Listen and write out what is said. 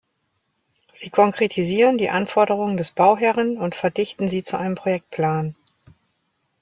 Sie konkretisieren die Anforderungen des Bauherren und verdichten sie zu einem Projektplan.